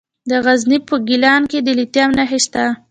د غزني په ګیلان کې د لیتیم نښې شته.